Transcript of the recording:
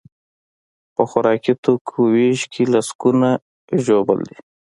په خوراکي توکیو ویش کې لسکونه ژوبل دي.